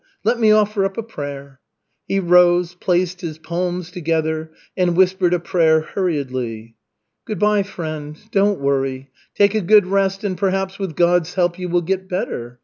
Let me offer up a prayer." He rose, placed his palms together, and whispered a prayer hurriedly. "Good by, friend, don't worry. Take a good rest, and perhaps with God's help you will get better.